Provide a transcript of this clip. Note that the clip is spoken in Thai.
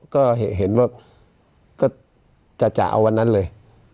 ก็เห็นว่าก็จะเอาวันนั้นเลย